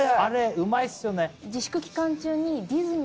うまいっすよね